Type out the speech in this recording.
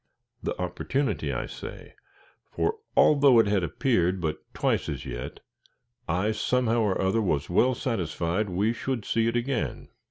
The opportunity, I say for, although it had appeared but twice as yet, I somehow or other was well satisfied we should see it again.